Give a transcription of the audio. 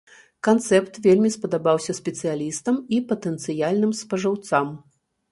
Канцэпт вельмі спадабаўся спецыялістам і патэнцыяльным спажыўцам.